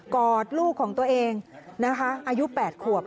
กอดลูกของตัวเองอายุ๘ขวบ